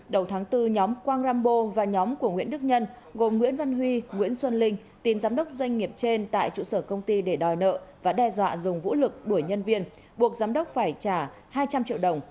đầu tháng bốn nhóm quang rambo và nhóm của nguyễn đức nhân gồm nguyễn văn huy nguyễn xuân linh tiền giám đốc doanh nghiệp trên tại trụ sở công ty để đòi nợ và đe dọa dùng vũ lực đuổi nhân viên buộc giám đốc phải trả hai trăm linh triệu đồng